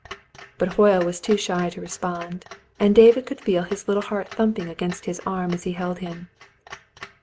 But Hoyle was too shy to respond, and David could feel his little heart thumping against his arm as he held him.